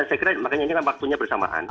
saya kira makanya ini kan waktunya bersamaan